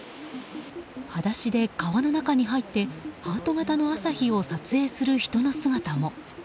裸足で川の中に入ってハート形の朝日を撮影する人の姿も。